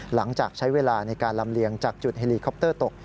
หลังจากใช้เวลาในการลำเลียงจากจุดเฮลีคอปเตอร์ตก